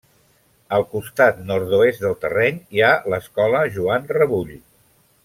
Al costat nord-oest del terreny hi ha l'escola Joan Rebull.